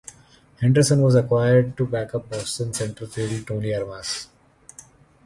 Henderson was acquired to backup Boston center fielder Tony Armas.